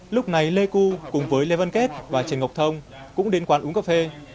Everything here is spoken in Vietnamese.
lúc này lê cư cùng với lê văn kết và trần ngọc thông cũng đến quán uống cà phê